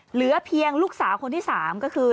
เหลือเพียงลูกสาวคนที่๓ก็คือ